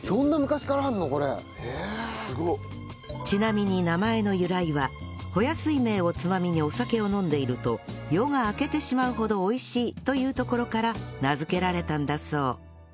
ちなみに名前の由来はほや酔明をつまみにお酒を飲んでいると夜が明けてしまうほど美味しいというところから名付けられたんだそう